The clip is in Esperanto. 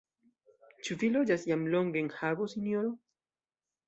Ĉu vi loĝas jam longe en Hago, sinjoro?